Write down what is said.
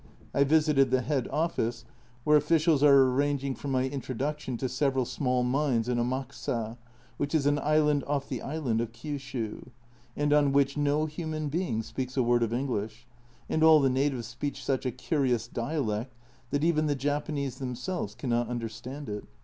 I visited the head office, where officials are arranging for my intro duction to several small mines in Amakusa, which is an island off the island of Kiushiu and on which no human being speaks a word of English, and all the natives speak such a curious dialect that even the Japanese themselves cannot understand it.